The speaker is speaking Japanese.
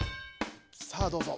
さあどうぞ。